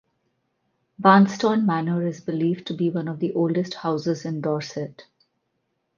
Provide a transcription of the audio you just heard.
Barnston Manor is believed to be one of the oldest houses in Dorset.